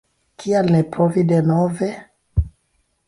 Kial ne provi denove?